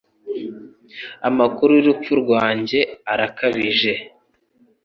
Amakuru y'urupfu rwanjye arakabije.